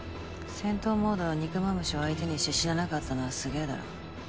戦闘モードの肉蝮を相手にして死ななかったのはすげぇだろ。